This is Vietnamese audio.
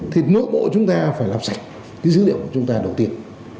thì nội bộ chúng ta phải làm sạch cái dữ liệu của chúng ta đầu tiên